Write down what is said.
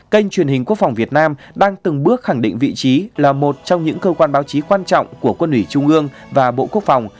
kênh truyền hình quốc phòng việt nam đang từng bước khẳng định vị trí là một trong những cơ quan báo chí quan trọng của quân ủy trung ương và bộ quốc phòng